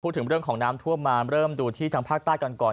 พูดถึงเรื่องของน้ำท่วมมาเริ่มดูที่ทางภาคใต้กันก่อน